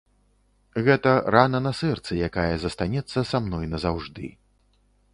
Гэта рана на сэрцы, якая застанецца са мной назаўжды.